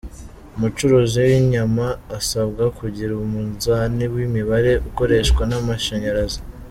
Umucuruzi w’inyama asabwa kugira umunzani w’imibare ukoreshwa n’amashanyarazi.